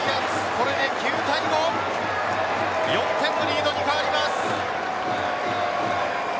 これで９対５４点のリードに変わります。